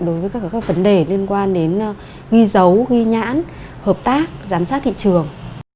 đối với các vấn đề liên quan đến ghi dấu ghi nhãn hợp tác giám sát thị trường